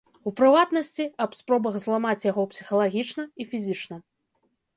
У прыватнасці, аб спробах зламаць яго псіхалагічна і фізічна.